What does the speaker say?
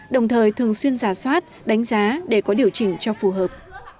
đồng thời thường xuyên giả soát đánh giá để có điều chỉnh cho phù hợp